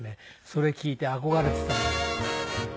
それ聴いて憧れていた。